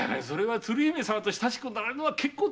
鶴姫様と親しくなられるのは結構と存じます。